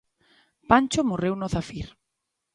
Pancho morreu no Zafir.